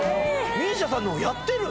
ＭＩＳＩＡさんのもやってる？